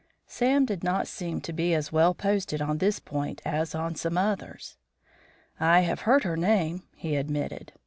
Sam did not seem to be as well posted on this point as on some others. "I have heard her name," he admitted.